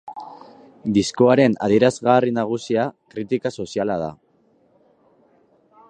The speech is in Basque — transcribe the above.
Diskoaren adierazgarri nagusia kritika soziala da.